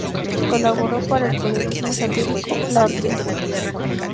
Colaboró para el periódico satírico "La Orquesta".